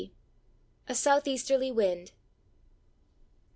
A SOUTH EASTERLY WIND.